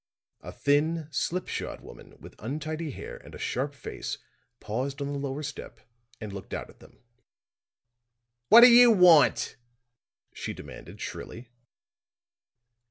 A thin, slipshod woman with untidy hair and a sharp face paused on the lower step and looked out at them. "What do you want?" she demanded, shrilly.